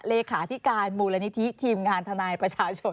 เลขาธิการมูลนิธิทีมงานทนายประชาชน